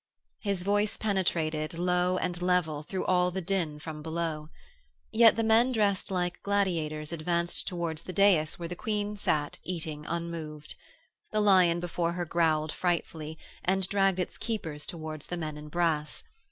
His voice penetrated, low and level, through all the din from below. Yet the men dressed like gladiators advanced towards the dais where the Queen sat eating unmoved. The lion before her growled frightfully, and dragged its keepers towards the men in brass.